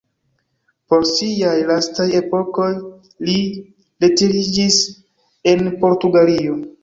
Por siaj lastaj epokoj li retiriĝis en Portugalio.